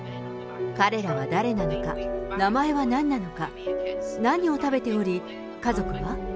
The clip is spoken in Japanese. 彼らは誰なのか、名前は何なのか、何を食べており、家族は？